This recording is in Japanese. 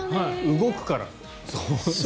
動くからと。